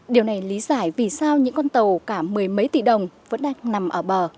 điều này lý giải vì sao những con tàu cả mười mấy tỷ đồng vẫn đang nằm ở bờ